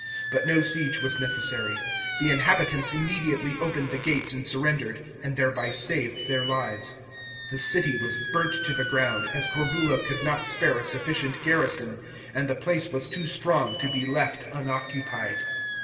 But no siege was necessary. The inhabitants im mediately opened the gates and surrendered, and thereby saved their lives. The city was burnt to the Around, as Corbulo could not snare a sufficient garrison, and the place was too strong to be left unoccupied.